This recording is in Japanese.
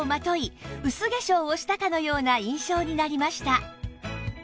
薄化粧をしたかのような印象になりました